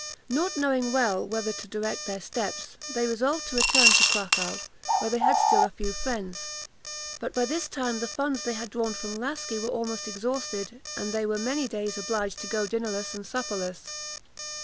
Not knowing well whither to direct their steps, they resolved to return to Cracow, where they had still a few friends; but, by this time, the funds they had drawn from Laski were almost exhausted, and they were many days obliged to go dinnerless and supperless.